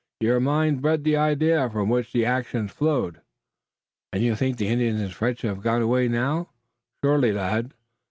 Your mind bred the idea, from which the action flowed." "And you think the French and Indians have gone away now?" "Surely, lad!